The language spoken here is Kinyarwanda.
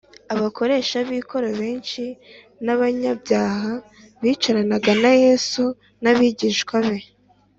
abakoresha b ikoro benshi n abanyabyaha bicarana na Yesu n abigishwa be